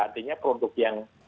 artinya produk yang